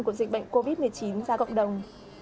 của dịch bệnh covid một mươi chín ra cộng đồng